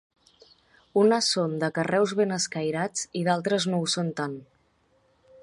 Unes són de carreus ben escairats i d'altres no ho són tant.